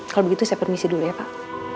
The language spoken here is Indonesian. kalau begitu saya permisi dulu ya pak